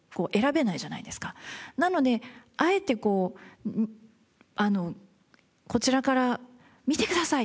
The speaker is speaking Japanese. なのであえてこうこちらから「見てください！